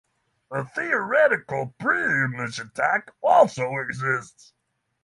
A theoretical preimage attack also exists.